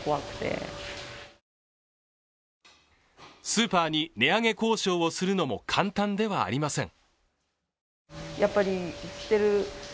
スーパーに値上げ交渉をするのも簡単ではありません。